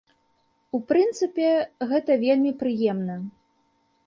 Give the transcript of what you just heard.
У прынцыпе, гэта вельмі прыемна.